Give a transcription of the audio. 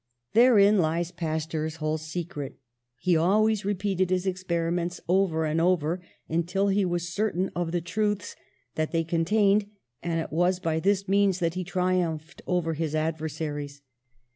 " Therein lies Pasteur's whole secret: he al ways repeated his experiments over and over until he was certain of the truths that they con tained; and it was by this means that he tri umphed over his adversaries.